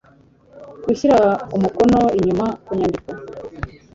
Gushyira umukono inyuma ku nyandiko